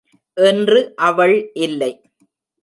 இன்று அவள் இல்லை!